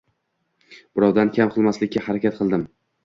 Birovdan kam qilmaslikka harakat qildim